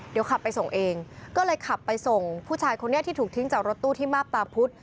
เดี๋ยวขับไปส่งเองก็เลยขับไปส่งผู้ชายคนนี้ที่ถูกทิ้งจากรถตู้ที่มาบตาพุธ